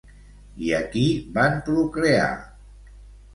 I a qui van procrear?